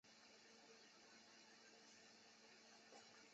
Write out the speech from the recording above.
有球迷认为梁振邦与香港歌手张敬轩和台湾歌手李圣杰相像。